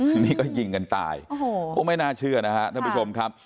ทีนี้ก็ยิงกันตายโอ้โหไม่น่าเชื่อนะฮะท่านผู้ชมครับ